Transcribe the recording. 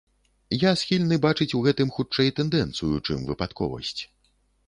Я схільны бачыць у гэтым, хутчэй, тэндэнцыю, чым выпадковасць.